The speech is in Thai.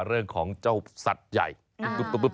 เรื่องของเจ้าสัตย์ใหญ่ตีปีกด้วย